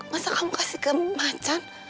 masa kamu kasih ke mancan